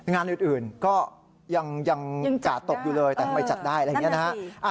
งานอื่นก็ยังกาดตกอยู่เลยแต่ทำไมจัดได้อะไรอย่างนี้นะฮะ